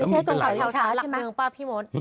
ไม่ใช่ตรงเขาสารหลักเมืองป่ะพี่มนต์